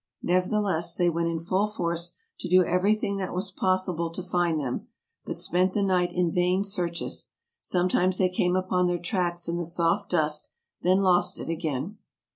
" Never theless they went in full force to do everything that was pos sible to find them, but spent the night in vain searches. Sometimes they came upon their track in the soft dust, then lost it again.